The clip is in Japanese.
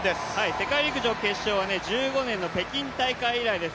世界陸上決勝は１５年の北京大会以来です。